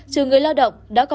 trừ người lao động đã có khó khăn